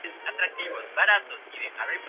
Todos ellos son del periodo Musteriense.